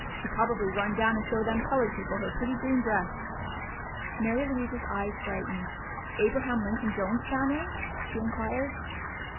She probably run down to show them colored people her pretty green dress." Mary Louise's eyes brightened. "Abraham Lincoln Jones's family?" she inquired.